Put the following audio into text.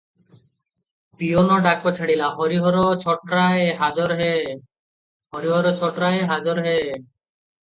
Peon ଡାକ ଛାଡ଼ିଲା, "ହରିହର ଛୋଟରାୟ ହାଜର ହେ- ହରିହର ଛୋଟରାୟ ହାଜର ହେ!"